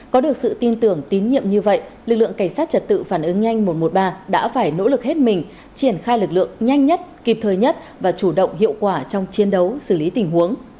có được sự tin tưởng tín nhiệm như vậy lực lượng cảnh sát trật tự phản ứng nhanh một trăm một mươi ba đã phải nỗ lực hết mình triển khai lực lượng nhanh nhất kịp thời nhất và chủ động hiệu quả trong chiến đấu xử lý tình huống